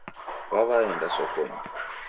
Waw'eenda sokonyi